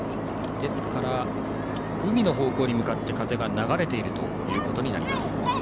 海の方向に向かって風が流れていることになります。